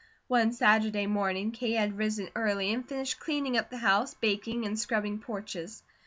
One Saturday morning Kate had risen early and finished cleaning up her house, baking, and scrubbing porches.